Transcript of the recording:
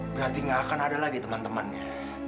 berarti nggak akan ada lagi teman temannya